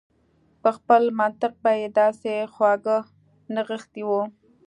په خپل منطق به يې داسې خواږه نغښتي و.